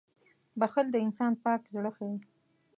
• بښل د انسان پاک زړه ښيي.